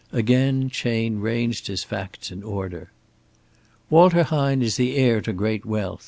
Again Chayne ranged his facts in order. "Walter Hine is the heir to great wealth.